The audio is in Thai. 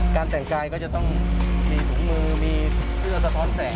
แต่งกายก็จะต้องมีถุงมือมีเสื้อสะท้อนแสง